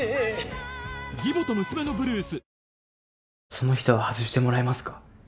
その人は外してもらえますか？